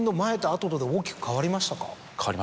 変わりました。